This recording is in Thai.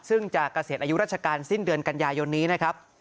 ซึ่งจะเกษียณอายุราชการสิ้นเดือนกันยายนนี้นะครับ